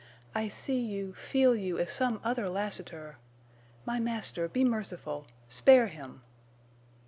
I see you—feel you as some other Lassiter! My master, be merciful—spare him!"